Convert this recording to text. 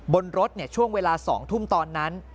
บนรถช่วงเวลา๒ทุ่มตอนนั้น